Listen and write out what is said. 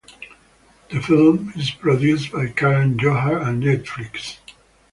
The film is produced by Karan Johar and Netflix.